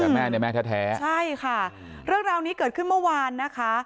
แต่แม่เนี่ยแม่แท้ใช่ค่ะเรื่องราวนี้เกิดขึ้นเมื่อวานนะคะ